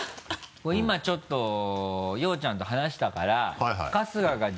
今ちょっと曜ちゃんと話したからはいはい。